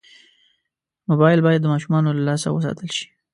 موبایل باید د ماشومانو له لاسه وساتل شي.